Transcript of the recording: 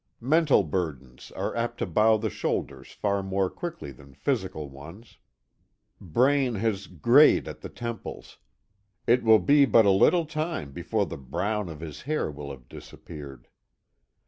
Mental burdens are apt to bow the shoulders far more quickly than physical ones. Braine has grayed at the temples; it will be but a little time before the brown of his hair will have disappeared.